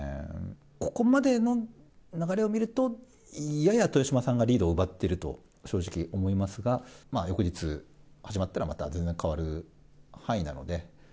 ここまでの流れを見ると、やや豊島さんがリードを奪っていると、正直思いますが、まあ、翌日、始まったら、全然変わる範囲なので。